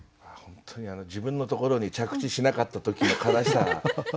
本当に自分のところに着地しなかった時の悲しさ。